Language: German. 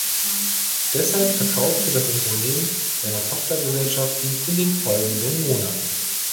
Deshalb verkaufte das Unternehmen seine Tochtergesellschaften in den folgenden Monaten.